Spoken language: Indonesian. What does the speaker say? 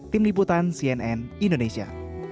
tim liputan cnn indonesia